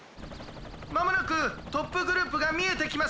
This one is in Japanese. まもなくトップグループがみえてきます。